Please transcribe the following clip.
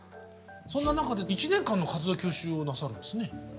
そんな中で１年間の活動休止をなさるんですね。